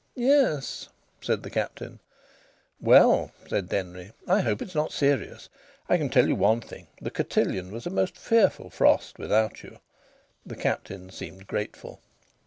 "Yes," said the Captain. "Well," said Denry, "I hope it's not serious. I can tell you one thing, the cotillon was a most fearful frost without you." The Captain seemed grateful.